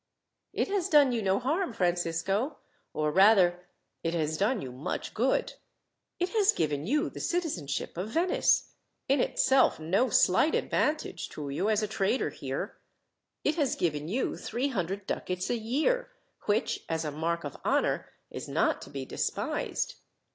"It has done you no harm, Francisco, or rather it has done you much good. It has given you the citizenship of Venice, in itself no slight advantage to you as a trader here. It has given you three hundred ducats a year, which, as a mark of honour, is not to be despised.